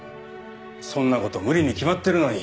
そんな事無理に決まってるのに。